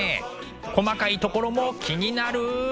細かいところも気になる。